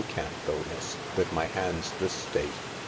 can't go, miss, with my hands this state."